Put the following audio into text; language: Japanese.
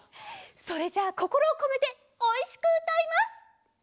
それじゃあこころをこめておいしくうたいます！